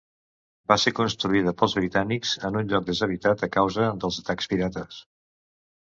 Va ser construïda pels britànics en un lloc deshabitat a causa dels atacs pirates.